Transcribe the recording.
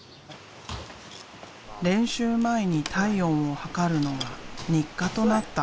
練習前に体温を測るのが日課となった。